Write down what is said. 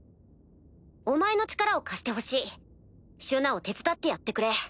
お前の力を貸してほしいシュナを手伝ってやってくれ。